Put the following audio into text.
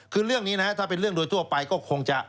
คือเรื่องนี้นะถ้าเป็นเรื่องโดยทั่วไปก็คงจะ